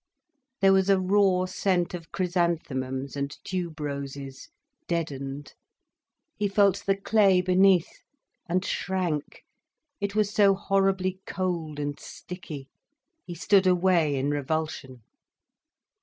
There was a raw scent of chrysanthemums and tube roses, deadened. He felt the clay beneath, and shrank, it was so horribly cold and sticky. He stood away in revulsion.